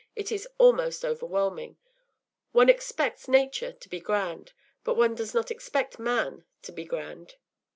It is almost overwhelming. Once expects nature to be grand, but one does not expect man to be grand.